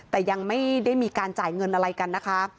แต่ยังไม่ได้มีการจ่ายเงินอะไรกันนะคะ